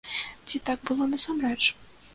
Ці так было насамрэч?